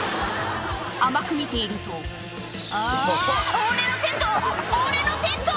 甘く見ていると「あ俺のテント！